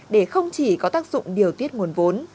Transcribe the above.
để không chỉ có tác dụng điều tiết nguồn vốn